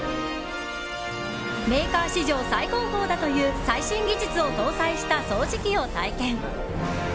メーカー史上最高峰だという最新技術を搭載した掃除機を体験。